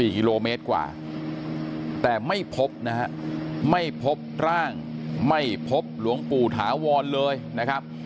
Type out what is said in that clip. ๔กิโลเมตรกว่าแต่ไม่พบนะฮะไม่พบร่างไม่พบหลวงปู่ถาวรเลยนะครับ